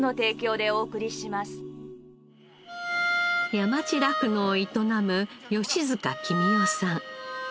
山地酪農を営む吉塚公雄さん。